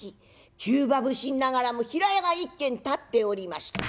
急場普請ながらも平屋が一軒建っておりました。